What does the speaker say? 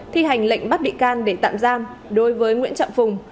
thi hành lệnh bắt bị can để tạm giam đối với nguyễn trọng phùng